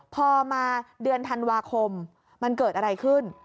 พอมาเดือนธันวาคมมันเกิดอะไรขึ้น